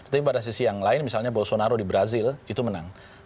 tapi pada sisi yang lain misalnya bolsonaro di brazil itu menang